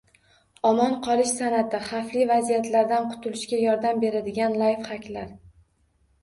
Omon qolish san’ati: xavfli vaziyatlardan qutulishga yordam beradigan layfxaklar